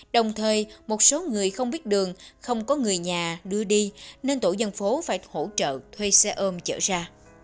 đồng thời một số người không biết đường không có người nhà đưa đi nên tổ dân phố phải hỗ trợ thuê xe ôm chở ra